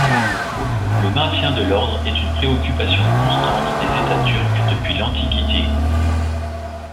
Le maintien de l'ordre est une préoccupation constante des États turcs depuis l'Antiquité.